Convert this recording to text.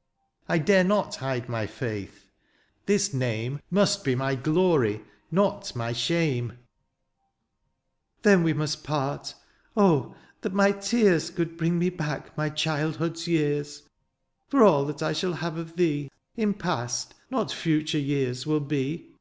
^^ I dare not hide my faith : this name ^' Must be my glory, not my shame/ 39 "Then we must part ; oh ! that my tears " Could bring me back my childhood^s years ;" For all that I shall have of thee, " In past, not future years will be.